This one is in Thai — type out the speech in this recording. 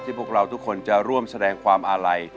พวกเราทุกคนจะร่วมแสดงความอาลัย